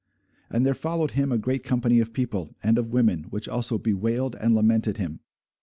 And there followed him a great company of people, and of women, which also bewailed and lamented him.